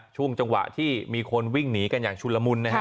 ช่วงจังหวะที่มีคนวิ่งหนีกันอย่างชุนละมุนนะฮะ